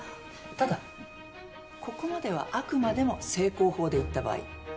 ただここまではあくまでも正攻法でいった場合。